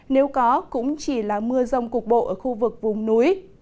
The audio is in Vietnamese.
nếu có cũng chỉ là mưa rông cục bộ ở khu vực vùng núi